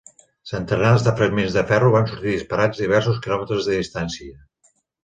Centenars de fragments de ferro van sortir disparats a diversos quilòmetres de distància.